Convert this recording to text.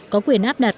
có quyền áp đặt